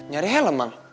cari helm bang